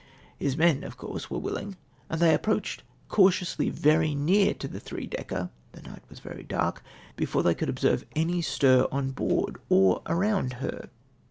His men of course were willing, and they approached cautiously vei'y near to the three decker (the night was very dark) before they could observe any stir on board or around her.